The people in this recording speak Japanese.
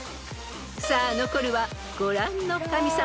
［さあ残るはご覧の神様］